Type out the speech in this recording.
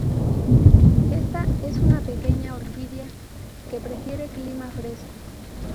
Esta es una pequeña orquídea, que prefiere clima fresco.